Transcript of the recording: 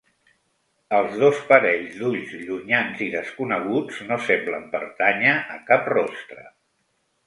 Els dos parells d'ulls, llunyans i desconeguts, no semblen pertànyer a cap rostre.